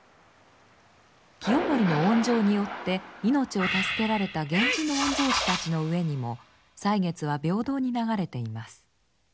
清盛の恩情によって命を助けられた源氏の御曹司たちの上にも歳月は平等に流れています。